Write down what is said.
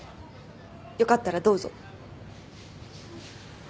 よかったらどうぞ。